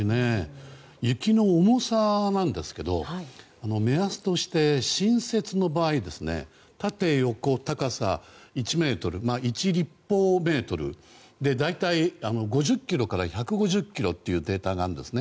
雪の重さなんですけど目安として新雪の場合、縦、横、高さ１ｍ１立方メートルで大体５０ｋｇから１５０ｋｇというデータがあるんですね。